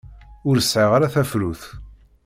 Ur sɛiɣ ara tafrut.